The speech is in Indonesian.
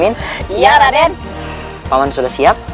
insyaallah pak man sudah siap